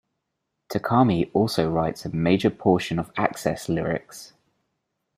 Takami also writes a major portion of Access' lyrics.